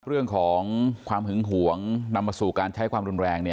เรื่องของความหึงหวงนำมาสู่การใช้ความรุนแรง